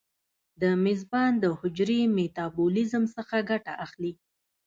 د میزبان د حجرې میتابولیزم څخه ګټه اخلي.